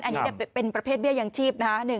อันนี้เป็นประเภทเบี้ยยังชีพนะฮะ